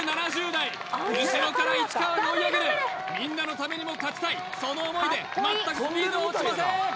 ７０代後ろから市川が追い上げるみんなのためにも勝ちたいその思いで全くスピードは落ちません